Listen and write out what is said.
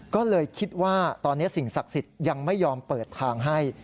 ก็เลยคิดว่าตอนนี้สิ่งศักดิ์สิทธิ์ยังไม่ยอมเปิดทางให้